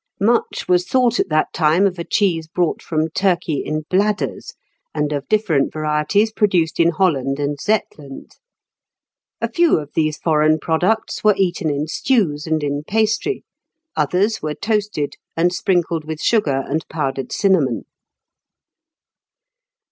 Much was thought at that time of a cheese brought from Turkey in bladders, and of different varieties produced in Holland and Zetland. A few of these foreign products were eaten in stews and in pastry, others were toasted and sprinkled with sugar and powdered cinnamon.